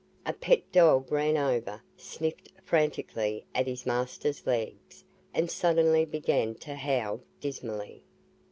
A pet dog ran over, sniffed frantically at his master's legs and suddenly began to howl dismally.